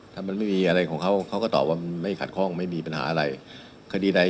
ถ้ามันไม่มีอะไรของเขาเขาก็ตอบว่ามันไม่ขัดข้องไม่มีปัญหาอะไรคดีใด